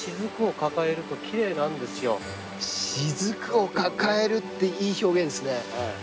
しずくを抱えるっていい表現ですね。